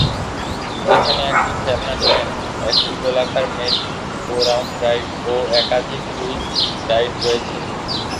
যেখানে একটি খেলনা ট্রেন, একটি গোলাকার মেরি গো রাউন্ড রাইড ও একাধিক হুইল রাইড রয়েছে।